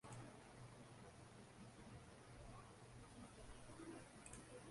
Nyoka huyu hana sumu.